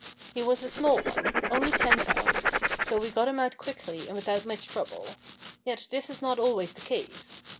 He was a small one; only ten pounds; so we got him out quickly and without much trouble. Yet this is not always the case.